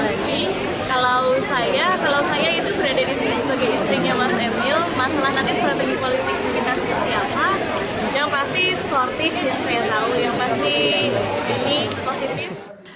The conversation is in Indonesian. masalahnya strategi politik kita seperti apa yang pasti sportif yang saya tahu yang pasti ini positif